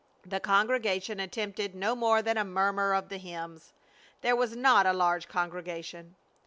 The congregation attempted no more than a murmur of the hymns. There was not a large congregation.